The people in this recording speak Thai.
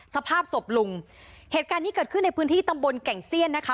สภาพศพลุงเหตุการณ์นี้เกิดขึ้นในพื้นที่ตำบลแก่งเซียนนะคะ